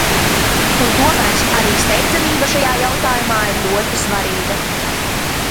Un tomēr arī steidzamība šajā jautājumā ir ļoti svarīga.